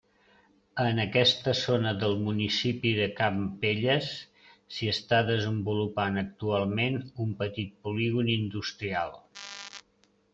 En aquesta zona del municipi de Campelles s'hi està desenvolupant actualment un petit polígon industrial.